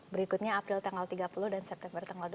berikutnya april tanggal tiga puluh dan september tanggal dua puluh